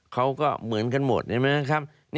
เขาก็เหมือนกันหมดใช่ไหมครับ